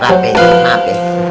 abah tuh hadap